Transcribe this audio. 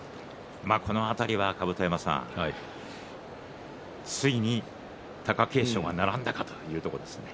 この辺りは、ついに貴景勝が並んだかというところですね